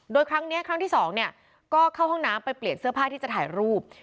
โดยครั้งนี้ครั้งที่สองเนี่ยก็เข้าห้องน้ำไปเปลี่ยนเสื้อผ้าที่จะถ่ายรูป